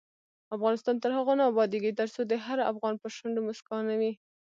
افغانستان تر هغو نه ابادیږي، ترڅو د هر افغان پر شونډو مسکا نه وي.